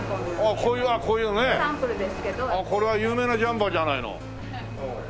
これは有名なジャンパーじゃないの。